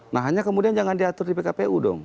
nah hanya kemudian jangan diatur di pkpu dong